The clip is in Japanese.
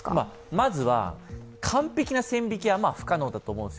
まずは、完璧な線引きは不可能だと思います。